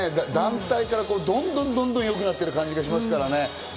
団体からどんどんどんどん良くなってる感じがしますからね。